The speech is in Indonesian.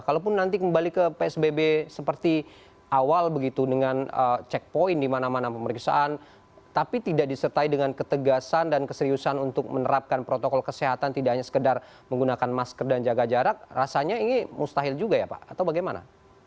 kalaupun nanti kembali ke psbb seperti awal begitu dengan checkpoint di mana mana pemeriksaan tapi tidak disertai dengan ketegasan dan keseriusan untuk menerapkan protokol kesehatan tidak hanya sekedar menggunakan masker dan jaga jarak rasanya ini mustahil juga ya pak atau bagaimana